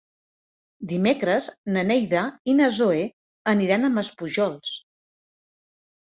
Dimecres na Neida i na Zoè iran a Maspujols.